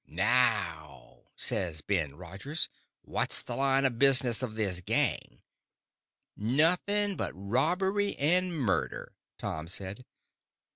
"Now," says Ben Rogers, "what's the line of business of this Gang?" "Nothing only robbery and murder," Tom said.